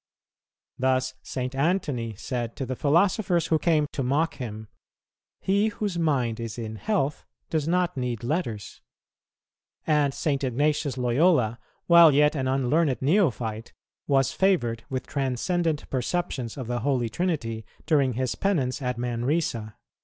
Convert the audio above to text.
Thus St. Antony said to the philosophers who came to mock him, "He whose mind is in health does not need letters;" and St. Ignatius Loyola, while yet an unlearned neophyte, was favoured with transcendent perceptions of the Holy Trinity during his penance at Manresa.